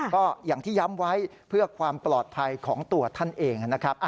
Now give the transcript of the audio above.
ก็อย่างที่ย้ำไว้เพื่อความปลอดภัยของตัวท่านเองนะครับ